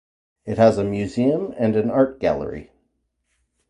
It has a museum and an art gallery.